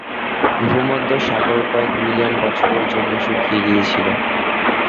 ভূমধ্যসাগর কয়েক মিলিয়ন বছরের জন্যে শুকিয়ে গিয়েছিল।